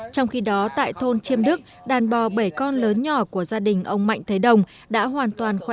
trong khi đó tại thôn chiêm đức đàn bò bảy con lớn nhỏ của gia đình ông mạnh thế đồng đã hoàn toàn khỏe mạnh trở lại